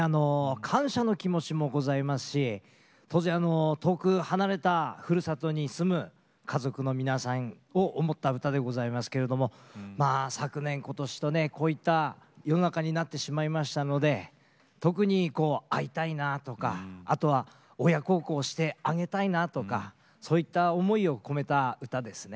感謝の気持ちもございますし当然遠く離れたふるさとに住む家族の皆さんを思った歌でございますけれどもまあ昨年今年とねこういった世の中になってしまいましたので特に会いたいなとかあとは親孝行をしてあげたいなとかそういった思いを込めた歌ですね。